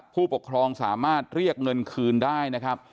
ผู้ปกครองสามารถเรียกเงินคืนได้นะครับ